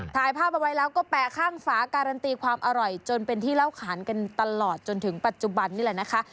ถ่ายภาพเอาไว้แล้วก็แปะข้างฝาการันตีความอร่อยจนเป็นที่เล่าขานกันตลอดจนถึงปัจจุบันนี่แหละนะคะ